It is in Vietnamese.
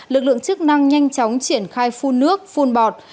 lực lượng chức năng nhanh chóng triển khai phun nước phun bọt